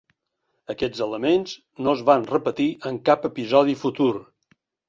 Aquests elements no es van repetir en cap episodi futur.